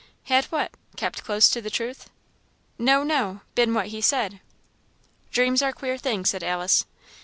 "Had what? kept close to the truth?" "No, no been what he said." "Dreams are queer things," said Alice.